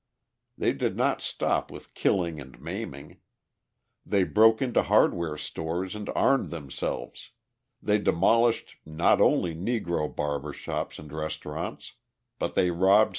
They did not stop with killing and maiming; they broke into hardware stores and armed themselves, they demolished not only Negro barber shops and restaurants, but they robbed stores kept by white men.